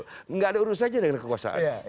tidak ada urus saja dengan kekuasaan